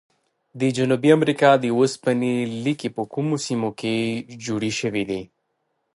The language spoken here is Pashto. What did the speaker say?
د جنوبي امریکا د اوسپنې لیکي په کومو سیمو کې جوړې شوي دي؟